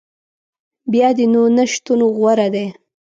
بیا دي نو نه شتون غوره دی